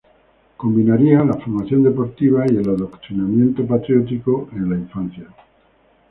Combinaría la formación deportiva y el adoctrinamiento patriótico en la infancia.